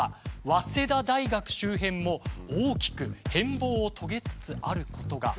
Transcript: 早稲田大学周辺も大きく変貌を遂げつつあることが分かったんです。